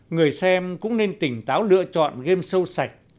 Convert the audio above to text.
người xem cũng nên tỉnh táo lựa chọn game show sạch